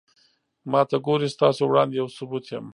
ما ته گورې ستاسو وړاندې يو ثبوت يم